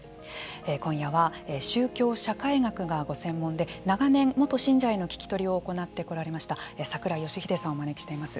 今夜は宗教社会学がご専門で長年、元信者への聞き取りを行ってこられました櫻井義秀さんをお招きしています。